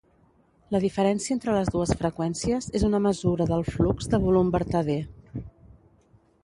La diferència entre les dues freqüències és una mesura del flux de volum vertader.